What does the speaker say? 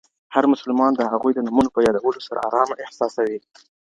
هر مسلمان د هغوی د نومونو په یادولو سره ارام احساسوي.